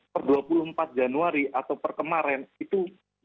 per dua puluh empat januari atau per kemarin itu